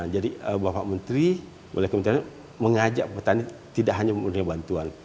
jadi bapak menteri oleh kementerian pertanian mengajak petani tidak hanya untuk bantuan